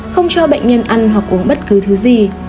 không cho bệnh nhân ăn hoặc uống bất cứ thứ gì